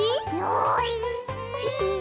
おいしい！